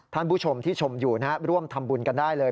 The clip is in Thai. ท่านผู้ชมที่ชมอยู่ร่วมทำบุญกันได้เลย